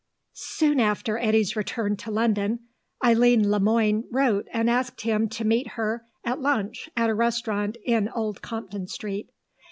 Soon after Eddy's return to London, Eileen Le Moine wrote and asked him to meet her at lunch at a restaurant in Old Compton Street.